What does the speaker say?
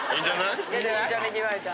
ゆうちゃみに言われた。